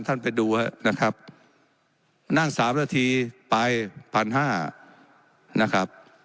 ท่านไปดูนะครับนั่งสามนาทีไปพันห้านะครับ